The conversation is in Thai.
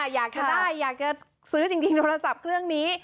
อยากจะซื้อจริงโทรศัพท์เครื่องนี้